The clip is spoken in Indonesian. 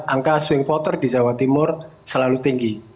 angka swing voter di jawa timur selalu tinggi